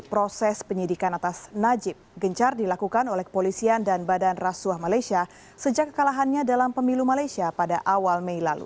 proses penyidikan atas najib gencar dilakukan oleh kepolisian dan badan rasuah malaysia sejak kekalahannya dalam pemilu malaysia pada awal mei lalu